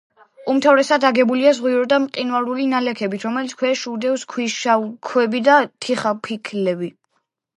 უმთავრესად აგებულია ზღვიური და მყინვარული ნალექებით, რომლებსაც ქვეშ უდევს ქვიშაქვები და თიხაფიქლები.